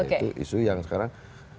itu isu yang sekarang